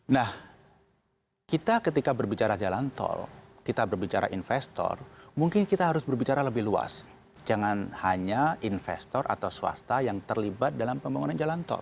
nah kita ketika berbicara jalan tol kita berbicara investor mungkin kita harus berbicara lebih luas jangan hanya investor atau swasta yang terlibat dalam pembangunan jalan tol